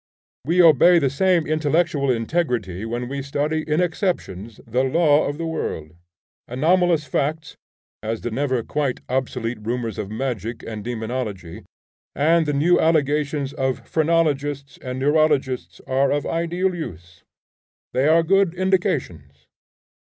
We obey the same intellectual integrity when we study in exceptions the law of the world. Anomalous facts, as the never quite obsolete rumors of magic and demonology, and the new allegations of phrenologists and neurologists, are of ideal use. They are good indications.